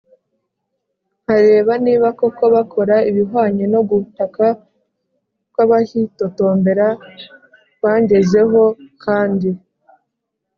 nkareba niba koko bakora ibihwanye no gutaka kw abahitotombera kwangezeho kandi